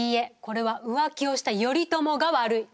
これは浮気をした頼朝が悪い！